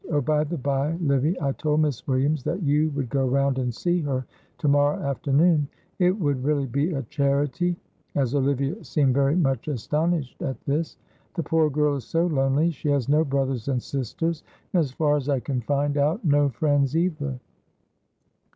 Oh, by the bye, Livy, I told Miss Williams that you would go round and see her to morrow afternoon. It would really be a charity," as Olivia seemed very much astonished at this. "The poor girl is so lonely, she has no brothers and sisters, and as far as I can find out no friends either."